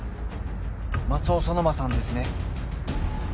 松尾そのまさんですね？